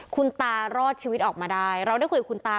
คุณตารอดชีวิตออกมาได้เราได้คุยกับคุณตา